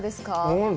うん。